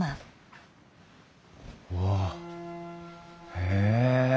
へえ。